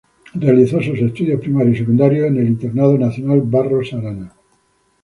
Realizó sus estudios primarios y secundarios en el Internado Nacional Barros Arana.